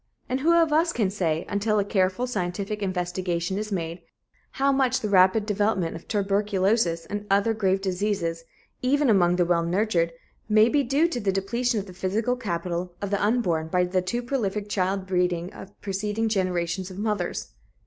And who of us can say, until a careful scientific investigation is made, how much the rapid development of tuberculosis and other grave diseases, even among the well nurtured, may be due to the depletion of the physical capital of the unborn by the too prolific childbearing of preceding generations of mothers?